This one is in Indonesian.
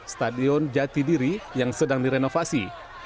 stadion jatidiri yang sedang direnovasi